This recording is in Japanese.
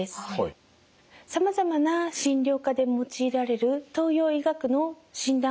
さまざまな診療科で用いられる東洋医学の診断